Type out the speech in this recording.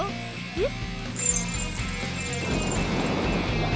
えっ？